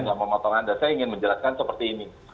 saya ingin menjelaskan seperti ini